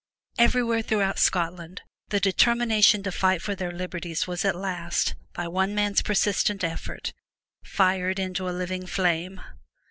Everywhere throughout Scotland, the determination to fight for their liberties was at last, hy one man's persistent effort, fired into living flame.